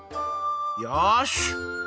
よし！